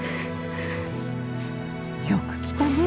よく来たね。